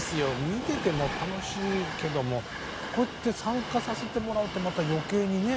見てても楽しいけどもこうやって参加させてもらうとまた余計にね